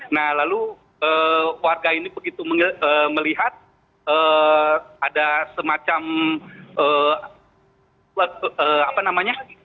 nah lalu warga ini begitu melihat ada semacam apa namanya